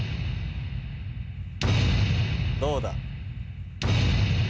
どうだ？